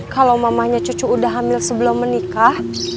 kalau mamanya cucu udah hamil sebelum menikah